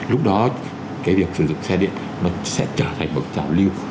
lúc đó cái việc sử dụng xe điện nó sẽ trở thành một trào lưu